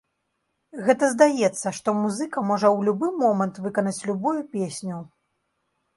Гэта здаецца, што музыка можа ў любы момант выканаць любую песню.